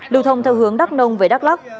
điều thông theo hướng đắc nông về đắc lắc